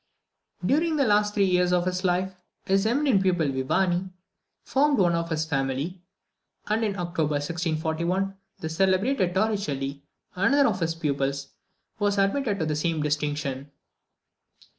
During the last three years of his life, his eminent pupil Viviani formed one of his family; and in October 1641, the celebrated Torricelli, another of his pupils, was admitted to the same distinction.